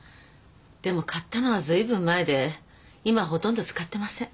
でも買ったのはずいぶん前で今はほとんど使ってません。